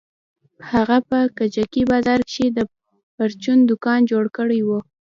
هغه په کجکي بازار کښې د پرچون دوکان جوړ کړى و.